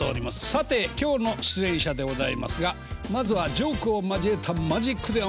さて今日の出演者でございますがまずはジョークを交えたマジックで面白いマギー審司さん。